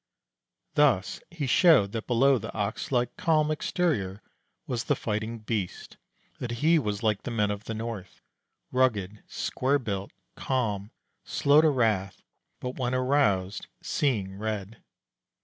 Thus he showed that below the ox like calm exterior was the fighting beast; that he was like the men of the north, rugged, square built, calm, slow to wrath, but when aroused "seeing red."